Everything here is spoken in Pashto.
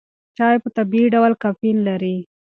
چای په طبیعي ډول کافین لري.